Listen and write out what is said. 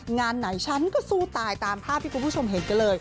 งานไหนฉันก็สู้ตายตามภาพที่คุณผู้ชมเห็นกันเลย